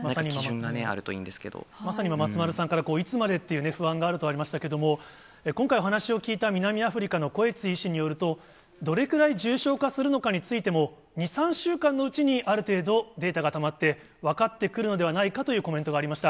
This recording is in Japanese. まさに今、松丸さんから、いつまでという不安があるとありましたけど、今回お話を聞いた、南アフリカのコエツィ医師によると、どれくらい重症化するのかについても、２、３週間のうちにある程度、データがたまって分かってくるのではないかというコメントがありました。